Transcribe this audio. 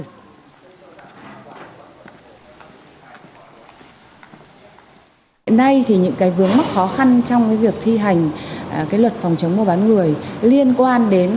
hôm nay những vướng mắc khó khăn trong việc thi hành luật phòng chống mua bán người liên quan đến